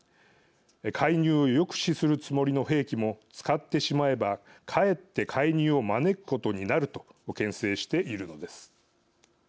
介入を抑止するつもりの兵器も使ってしまえば、かえって介入を招くことになるとけん制しているのです。